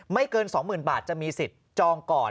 เกิน๒๐๐๐บาทจะมีสิทธิ์จองก่อน